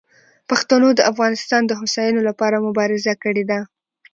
پښتنو د افغانستان د هوساینې لپاره مبارزه کړې ده.